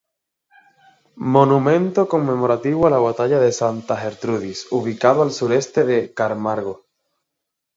Monumento conmemorativo a la batalla de Santa Gertrudis, ubicado al sureste de Camargo.